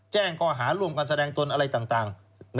แจ้งข้อหาร่วมกันแสดงตนอะไรต่าง